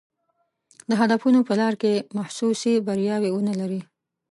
د هدفونو په لاره کې محسوسې بریاوې ونه لري.